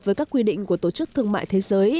với các quy định của tổ chức thương mại thế giới